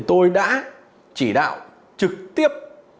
ở tôi đã chỉ đạo trực tiếp